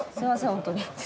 本当に。